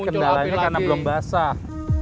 kendalanya karena belum basah